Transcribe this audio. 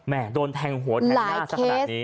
โดนแทงหัวแทงหน้าสักขนาดนี้